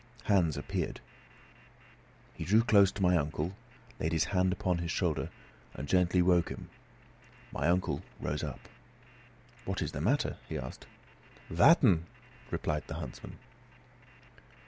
Hans appeared. He drew close to my uncle, laid his hand upon his shoulder, and gently woke him. My uncle rose up. "What is the matter?" he asked. "Watten!" replied the huntsman.